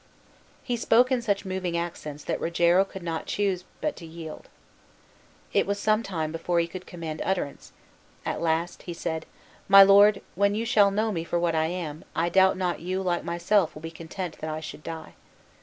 He spoke in such moving accents that Rogero could not choose but yield. It was some time before he could command utterance; at last he said, "My lord, when you shall know me for what I am, I doubt not you, like myself, will be content that I should die.